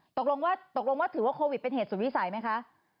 ตกลงว่าตกลงว่าถือว่าโควิดเป็นเหตุสุดวิสัยไหมคะ